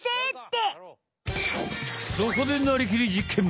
そこで「なりきり！実験！」。